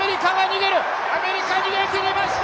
アメリカ、逃げ切りました。